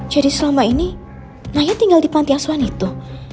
jadi selama ini naya tinggal di pantiasuhan itu